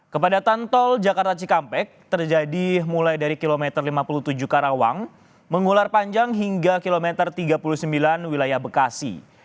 kepadatan tol jakarta cikampek terjadi mulai dari kilometer lima puluh tujuh karawang mengular panjang hingga kilometer tiga puluh sembilan wilayah bekasi